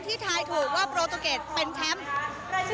ที่ทายถือว่าโปรโตเกรดเป็นแชมป์